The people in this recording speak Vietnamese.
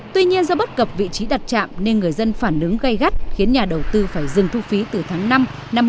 tuy nhiên do bất cập vị trí đặt trạm nên người dân phản ứng gây gắt khiến nhà đầu tư phải dừng thu phí từ tháng năm năm hai nghìn hai mươi